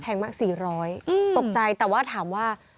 มาก๔๐๐ตกใจแต่ว่าถามว่า